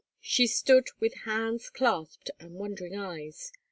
She stood with hands clasped, and wondering eyes.